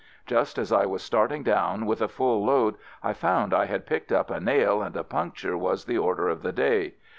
Just as I was start ing down with a full load I found I had picked up a nail and a puncture was the or der of the day.